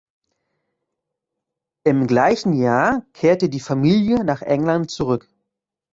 Im gleichen Jahr kehrte die Familie nach England zurück.